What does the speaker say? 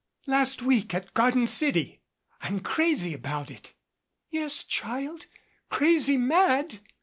"Last week at Garden City. I'm crazy about it." "Yes, child, crazy mad.